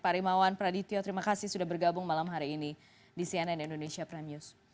pak rimawan pradityo terima kasih sudah bergabung malam hari ini di cnn indonesia prime news